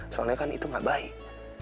soalnya kan itu gak baik